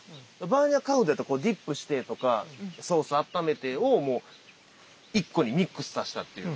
バーニャカウダやったらディップしてとかソースあっためてをもう一個にミックスさせたっていう感じですね。